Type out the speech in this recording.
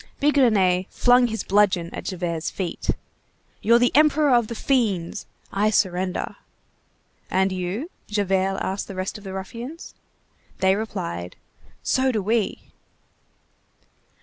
Bigrenaille flung his bludgeon at Javert's feet. "You're the emperor of the fiends! I surrender." "And you?" Javert asked the rest of the ruffians. They replied:— "So do we."